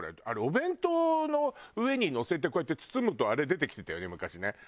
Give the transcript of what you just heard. あれお弁当の上に乗せてこうやって包むとあれ出てきてたよね昔ね。